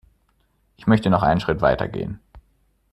Ich möchte noch einen Schritt weiter gehen.